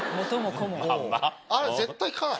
あれ絶対効かない。